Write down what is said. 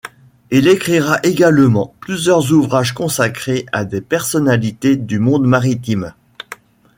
Il écrira également plusieurs ouvrages consacrés à des personnalités du monde maritime.